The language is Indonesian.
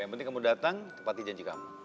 yang penting kamu datang tepati janji kamu